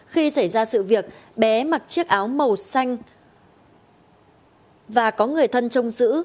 khi xảy ra sự việc bé mặc chiếc áo màu xanh và có người thân trông giữ